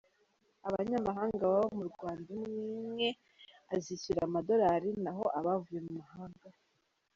Abanyamahanga baba mu Rwanda umwe. azishyura amadolari, naho abavuye mu mahanga.